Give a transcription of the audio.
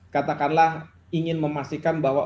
katakanlah ingin memastikan bahwa